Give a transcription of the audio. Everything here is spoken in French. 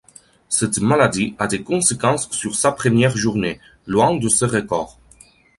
Cette maladie a des conséquences sur sa première journée, loin de ses records.